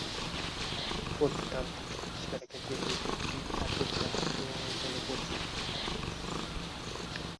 প্রত্নতাত্ত্বিক আবিষ্কারের ক্ষেত্রে এই যুগটি অপর্যাপ্ত বলে পরিচিত।